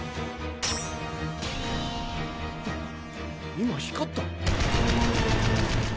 今光った？